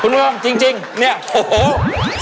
คุณพ่อดำจริงเนี่ยโอ้โห